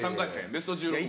ベスト１６まで。